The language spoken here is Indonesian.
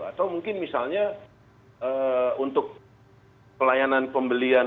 atau mungkin misalnya untuk pelayanan pembelian